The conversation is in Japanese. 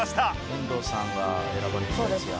「遠藤さんが選ばれてたやつや」